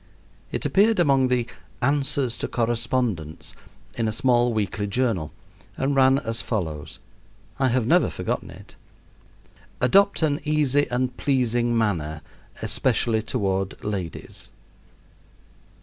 It appeared among the "answers to correspondents" in a small weekly journal and ran as follows I have never forgotten it: "Adopt an easy and pleasing manner, especially toward ladies."